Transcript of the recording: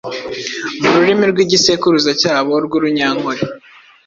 mu rurimi rw’igisekuruza cyabo rw’urunyankore,